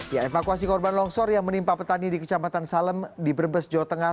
ya evakuasi korban longsor yang menimpa petani di kecamatan salem di brebes jawa tengah